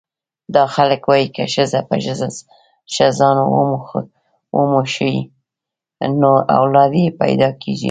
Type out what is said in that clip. دا خلک وايي که ښځه په ښځه ځان وموښي نو اولاد یې پیدا کېږي.